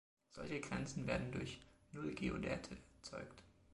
Solche Grenzen werden durch Null-Geodäte erzeugt.